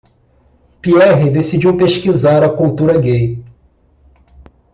Pierre decidiu pesquisar a cultura gay.